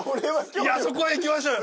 いやそこは行きましょうよ！